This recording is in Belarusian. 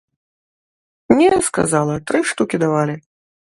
Не, сказала, тры штукі давалі.